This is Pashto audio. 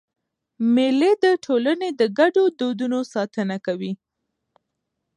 مېلې د ټولني د ګډو دودونو ساتنه کوي.